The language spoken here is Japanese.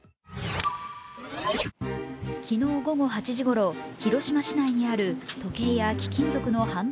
昨日午後８時ごろ、広島市内にある時計や貴金属の販売